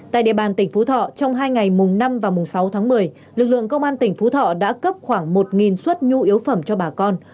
tại địa bàn tỉnh phú thọ trong hai ngày mùng năm và mùng sáu tháng một mươi lực lượng công an tỉnh phú thọ đã cấp khoảng một suất nhu yếu phẩm cho bà con